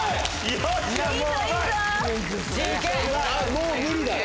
もう無理だよ。